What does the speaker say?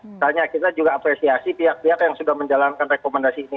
misalnya kita juga apresiasi pihak pihak yang sudah menjalankan rekomendasi ini